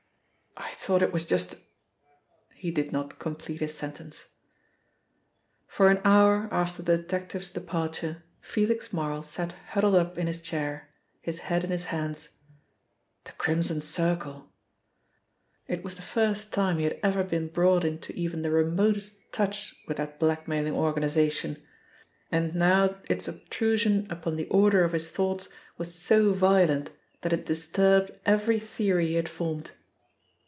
"I thought it was just a " he did not complete his sentence. For an hour after the detective's departure Felix Marl sat huddled up in his chair, his head in his hands. The Crimson Circle! It was the first time he had ever been brought into even the remotest touch with that blackmailing organisation, and now its obtrusion upon the order of his thoughts was so violent that it disturbed every theory he had formed.